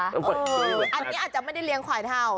อันนี้อาจจะไม่ได้เลี้ยงควายเท่า